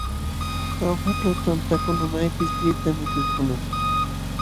Jaujaćhu tantakuna maypis lliwta mikukunam.